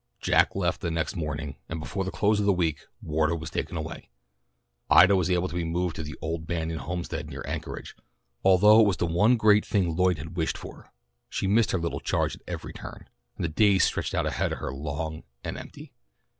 Jack left the next morning, and before the close of the week Wardo was taken away. Ida was able to be moved to the old Bannon homestead near Anchorage. Although it was the one great thing Lloyd had wished for, she missed her little charge at every turn, and the days stretched out ahead of her long and empty.